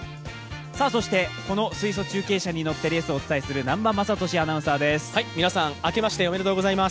そしてこの水素中継車に乗ってレースを中継する南波雅俊アナウンサーです。